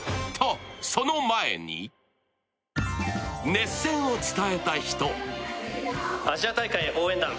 熱戦を伝えた人。